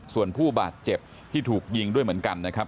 ส่วนผู้บาดเจ็บที่ถูกยิงด้วยเหมือนกันนะครับ